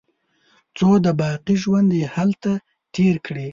څو د باقي ژوند هلته تېر کړي.